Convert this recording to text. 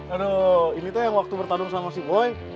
aduh ini tuh yang waktu bertadung sama si boy